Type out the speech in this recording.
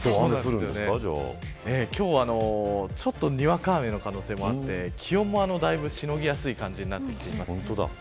今日はにわか雨の可能性もあって気温もだいぶしのぎやすい感じになってきています。